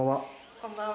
こんばんは。